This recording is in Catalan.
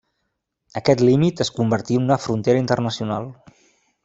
Aquest límit es convertí en una frontera internacional.